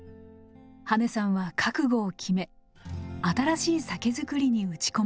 羽根さんは覚悟を決め新しい酒造りに打ち込むことに。